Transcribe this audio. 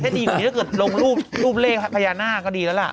ถ้าดีกว่านี้ถ้าเกิดลงรูปเลขพญานาคก็ดีแล้วล่ะ